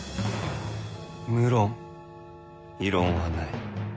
無論異論はない。